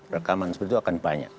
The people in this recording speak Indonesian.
rekaman seperti itu akan banyak